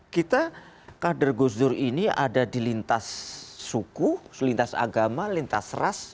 kita kader gus dur ini ada di lintas suku lintas agama lintas ras